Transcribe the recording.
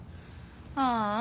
ああ。